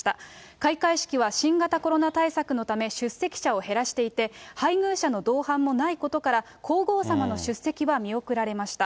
開会式は新型コロナ対策のため、出席者を減らしていて、配偶者の同伴もないことから、皇后さまの出席は見送られました。